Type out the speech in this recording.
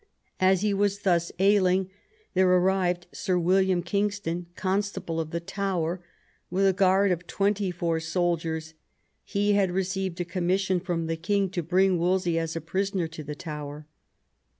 As he was thus ailing there arrived Sir William Kingston, Constable of. the Tower, with a guard of twenty four soldiers; he had received a commission from the king to bring Wolsey as a prisoner to the Tower.